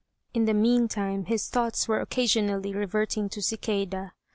In the meantime his thoughts were occasionally reverting to Cicada.